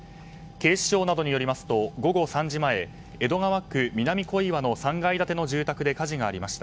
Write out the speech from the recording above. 警視庁などによりますと午後３時前、江戸川区南小岩の３階建ての住宅で火事がありました。